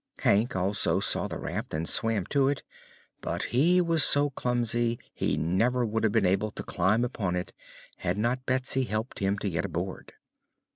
Hank also saw the raft and swam to it, but he was so clumsy he never would have been able to climb upon it had not Betsy helped him to get aboard.